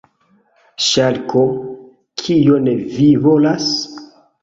Ŝarko: "Kion vi volas?"